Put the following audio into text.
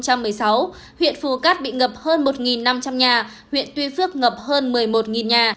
huyện phù cát bị ngập hơn một năm trăm linh nhà huyện tuy phước ngập hơn một mươi một nhà